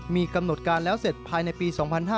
มีกำหนดการแล้วเสร็จภายในปี๒๕๕๙